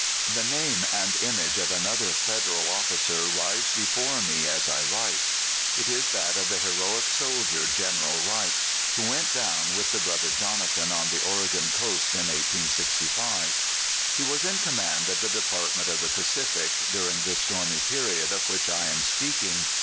The name and image of another Federal officer rise before me as I write. It is that of the heroic soldier, General Wright, who went down with the "Brother Jonathan," on the Oregon coast, in 1865. He was in command of the Department of the Pacific during this stormy period of which I am speaking.